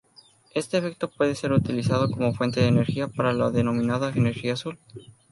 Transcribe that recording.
Este efecto puede ser utilizado como fuente de energía para la denominada energía azul.